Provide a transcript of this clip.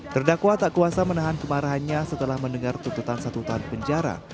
terdakwa tak kuasa menahan kemarahannya setelah mendengar tuntutan satu tahun penjara